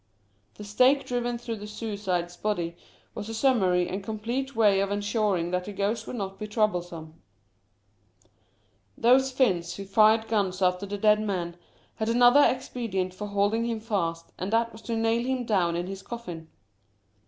The stake driven through the suicide's body was a summary and complete way of ensuring that the ghost would not be trouble some. Those Finns who fired guns after a dead man had another expedient for holding him fast, and that 8 The Meaning of Mourning was to nail him down in his coffin.